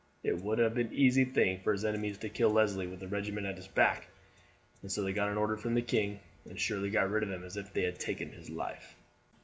It wouldna have been an easy thing for his enemies to kill Leslie with his regiment at his back, and so they got an order from the king, and as surely got rid of him as if they had taken his life."